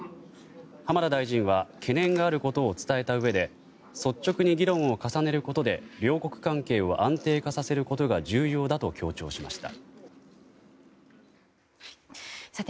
浜田大臣は懸念があることを伝えたうえで率直に議論を重ねることで両国関係を安定化させることが重要だと強調しました。